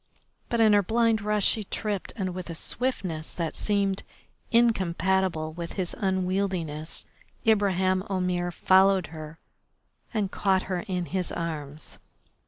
But in her blind rush she tripped, and with a swiftness that seemed incompatible with his unwieldiness Ibraheim Omair followed her and caught her in his arms.